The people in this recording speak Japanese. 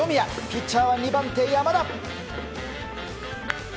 ピッチャーは２番手、山田。